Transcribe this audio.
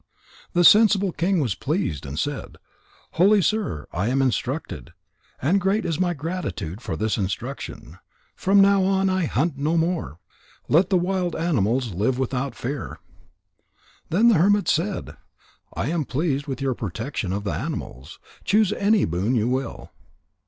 The sensible king was pleased and said: "Holy sir, I am instructed. And great is my gratitude for this instruction. From now on I hunt no more. Let the wild animals live without fear." Then the hermit said: "I am pleased with your protection of the animals. Choose any boon you will."